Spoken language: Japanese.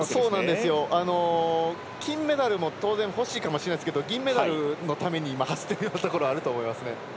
金メダルも当然ほしいかもしれないですけど銀メダルのために今走っているようなところもありますよね。